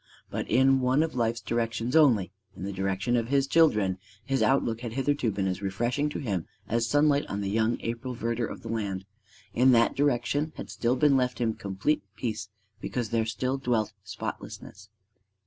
But in one of life's directions only in the direction of his children his outlook had hitherto been as refreshing to him as sunlight on the young April verdure of the land. In that direction had still been left him complete peace, because there still dwelt spotlessness.